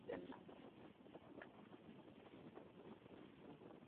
গত বছর পুরোটা সময়ে নিক ফিউরি এই পৃথিবীতেই ছিলেন না।